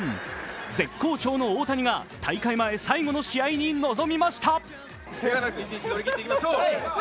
絶好調の大谷が大会前最後の試合に臨みました。